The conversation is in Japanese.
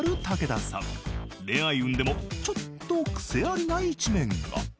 ［恋愛運でもちょっと癖ありな一面が］